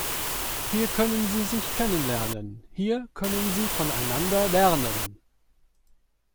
Hier können sie sich kennen lernen, hier können sie voneinander lernen.